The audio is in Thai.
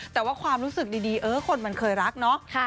แต่ว่าความรู้สึกดีเออคนมันเคยรักเนาะ